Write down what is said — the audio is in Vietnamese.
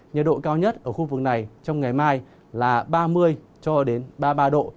nhiệt độ cao nhất ở khu vực này trong ngày mai là ba mươi ba mươi ba độ